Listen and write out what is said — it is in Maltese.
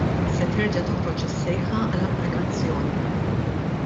Se terġa' toħroġ is-sejħa għall-applikazzjoni.